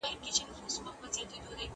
ورزش د ټولنې لپاره ګډ هدف دی.